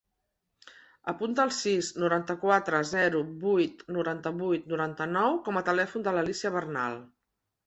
Apunta el sis, noranta-quatre, zero, vuit, noranta-vuit, noranta-nou com a telèfon de l'Alícia Bernal.